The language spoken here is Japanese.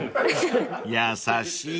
［優しい］